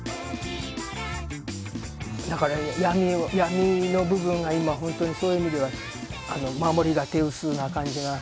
だから闇の部分が今本当にそういう意味では守りが手薄な感じがそうですね。